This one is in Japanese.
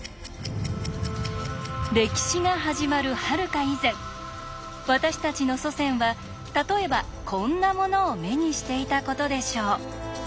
歴史が始まるはるか以前私たちの祖先は例えばこんなものを目にしていたことでしょう。